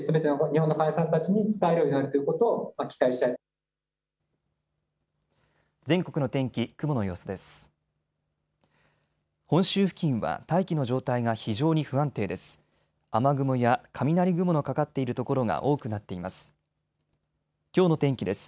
本州付近は大気の状態が非常に不安定です。